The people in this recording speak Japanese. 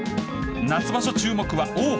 夏場所注目は王鵬。